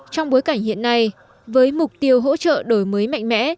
trong bối cảnh hiện nay với mục tiêu hỗ trợ đổi mới mạnh mẽ